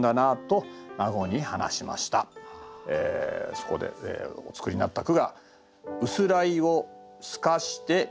そこでお作りになった句が。